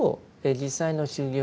実際の修行